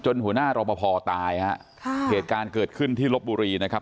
หัวหน้ารอปภตายฮะค่ะเหตุการณ์เกิดขึ้นที่ลบบุรีนะครับ